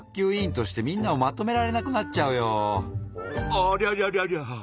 ありゃりゃりゃりゃ。